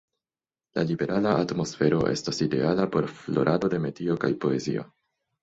La liberala atmosfero estis ideala por florado de metio kaj poezio.